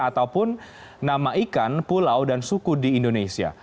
ataupun nama ikan pulau dan suku di indonesia